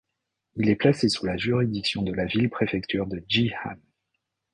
Il est placé sous la juridiction de la ville-préfecture de Ji'an.